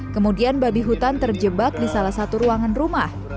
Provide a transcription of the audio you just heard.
kemudian babi hutan terjebak di salah satu ruangan rumah